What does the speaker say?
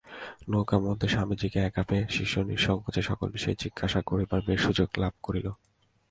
নৌকামধ্যে স্বামীজীকে একা পাইয়া শিষ্য নিঃসঙ্কোচে সকল বিষয়ে জিজ্ঞাসা করিবার বেশ সুযোগ লাভ করিল।